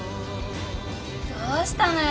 どうしたのよ